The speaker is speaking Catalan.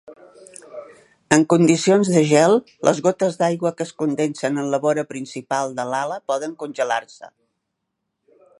En condicions de gel, les gotes d'aigua que es condensen en la vora principal de l'ala poden congelar-se.